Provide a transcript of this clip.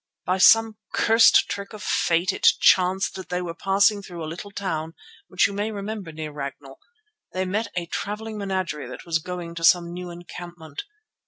"By some cursed trick of fate it chanced that when they were passing through the little town which you may remember near Ragnall, they met a travelling menagerie that was going to some new encampment.